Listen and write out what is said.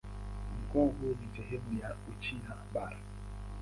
Mkoa huu ni sehemu ya Uchina Bara.